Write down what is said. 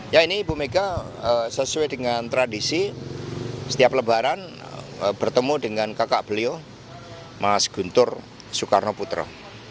ya ini ibu mega sesuai dengan tradisi setiap lebaran bertemu dengan kakak beliau mas guntur soekarno putra